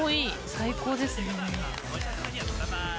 最高ですね。